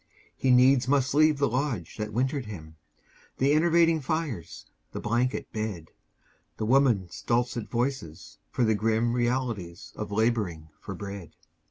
He needs must leave the lodge that wintered him, The enervating fires, the blanket bed The women's dulcet voices, for the grim Realities of labouring for bread.